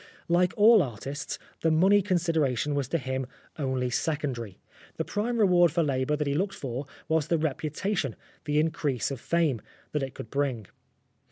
237 Oscar Wilde Like all artists, the money consideration was to him only secondary ; the prime reward for labour that he looked for was the reputa tion, the increase of fame, that it could bring.